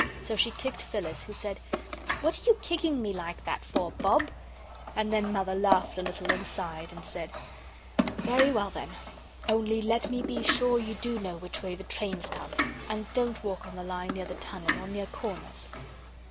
So she kicked Phyllis, who said: "What are you kicking me like that for, Bob?" And then Mother laughed a little and sighed and said: "Very well, then. Only let me be sure you do know which way the trains come and don't walk on the line near the tunnel or near corners."